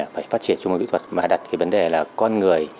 phải phát triển chung môn kỹ thuật mà đặt cái vấn đề là con người